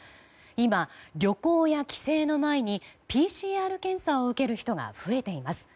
今、旅行や帰省の前にＰＣＲ検査を受ける人が増えています。